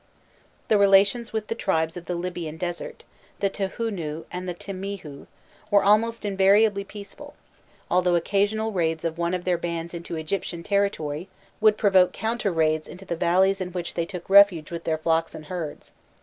The relations with the tribes of the Libyan desert, the Tihûnû and the Timihû, were almost invariably peaceful; although occasional raids of one of their bands into Egyptian territory would provoke counter raids into the valleys in which they took refuge with their flocks and herds.